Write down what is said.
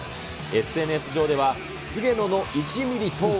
ＳＮＳ上では、菅野の１ミリと話